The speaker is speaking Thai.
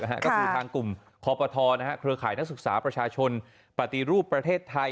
ก็คือทางกลุ่มคอปทเครือข่ายนักศึกษาประชาชนปฏิรูปประเทศไทย